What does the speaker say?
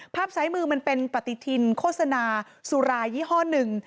ภาพซ้ายมือมันเป็นปฏิทินโฆษณาสุรายี่ห้อหนึ่ง